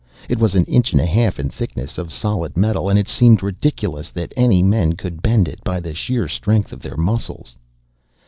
It was an inch and a half in thickness, of solid metal, and it seemed ridiculous that any men could bend it by the sheer strength of their muscles.